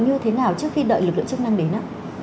như thế nào trước khi đợi lực lượng chức năng đến ạ